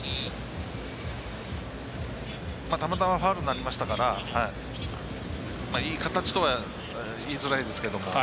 たまたまファウルになりましたからいい形とは言いづらいですけど。